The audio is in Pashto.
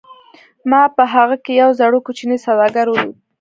ما په هغه کې یو زړور کوچنی سوداګر ولید